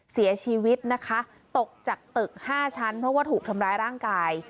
เสียชีวิตนะคะตกจากตึก๕ชั้นเพราะว่าถูกทำร้ายร่างกาย